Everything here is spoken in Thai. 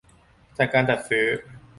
จากการจัดซื้อ